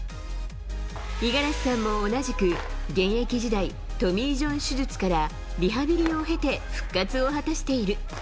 五十嵐さんも同じく現役時代、トミー・ジョン手術からリハビリを経て、復活を果たしている。